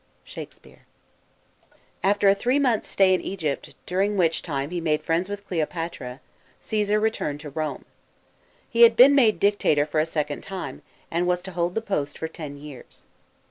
SHAKSPERE. AFTER a three months' stay in Egypt, during which time, he made friends with Cleopatra, Caesar re turned to Rome. He had been made Dictator a second time, and was to hold the post for ten years.